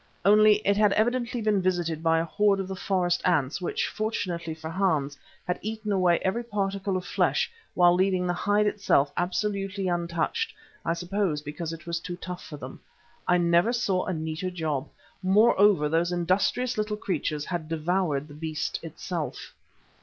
Only it had evidently been visited by a horde of the forest ants which, fortunately for Hans, had eaten away every particle of flesh, while leaving the hide itself absolutely untouched, I suppose because it was too tough for them. I never saw a neater job. Moreover, these industrious little creatures had devoured the beast itself.